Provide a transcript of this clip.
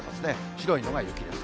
白いのが雪です。